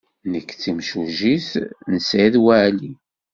Nekk d timsujjit n Saɛid Waɛli.